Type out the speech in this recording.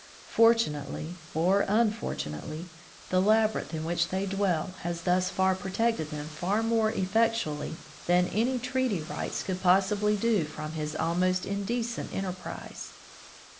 Fortunately or unfortunately, the labyrinth in which they dwell has thus far protected them far more eflfectually than any treaty rights could possibly do from his almost indecent enterprise.